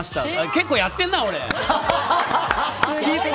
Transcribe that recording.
結構やってんな、俺！